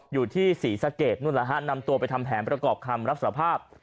อยู่ที่ศรีสะเกดนู่นละฮะนำตัวไปทำแผนประกอบคำรับสภาพ